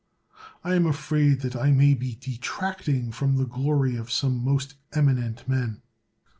I am afraid that I may be detracting from the glory of some most eminent men.